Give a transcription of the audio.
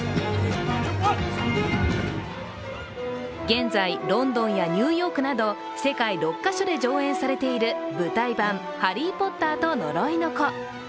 現在ロンドンやニューヨークなど世界６カ所で上演されている舞台版「ハリー・ポッターと呪いの子」。